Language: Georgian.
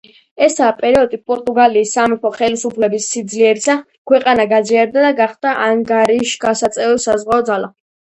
ესაა პერიოდი პორტუგალიის სამეფო ხელისუფლების სიძლიერისა, ქვეყანა გაძლიერდა და გახდა ანგარიშგასაწევი საზღვაო ძალა.